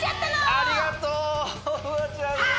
ありがとうー！